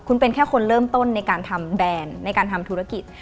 คุณเป็นแค่คนเริ่มต้นในการทำแบรนด์ในการทำธุรกิจ